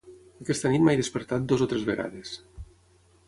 Aquesta nit m'he despertat dues o tres vegades.